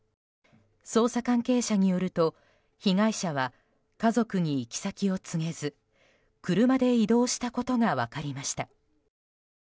捜査関係者によると、被害者は家族に行き先を告げず車で移動したことが分かりました。